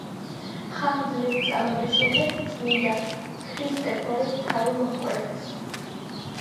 ხანგრძლივი წამების შემდეგ წმინდა ქრისტეფორეს თავი მოჰკვეთეს.